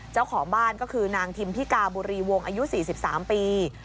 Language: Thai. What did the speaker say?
เจ้าของบ้านก็คือนางทิมพิกาบุรีวงอายุ๔๓ปี